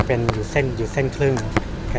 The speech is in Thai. ภาษาสนิทยาลัยสุดท้าย